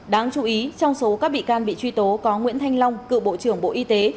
đáng chú ý trong số các bị can bị truy tố có nguyễn thanh long cựu bộ trưởng bộ y tế